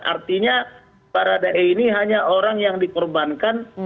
artinya baradae ini hanya orang yang dikorbankan